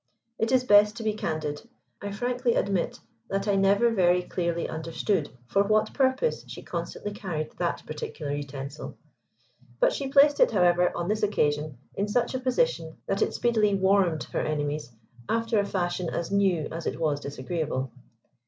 It is best to be candid. I frankly admit that I never very clearly understood for what purpose she constantly carried that particular utensil. But she placed it, however, on this occasion, in such a position that it speedily warmed her enemies after a fashion as new as it was disagreeable.